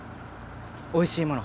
おいしいもの